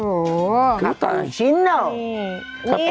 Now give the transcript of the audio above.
โอ้โฮชิ้นเหรอ